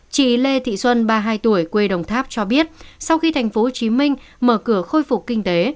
chị lê thị xuân ba mươi hai tuổi quê đồng tháp cho biết sau khi tp hcm mở cửa khôi phục kinh tế